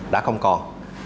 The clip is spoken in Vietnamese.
đã không còn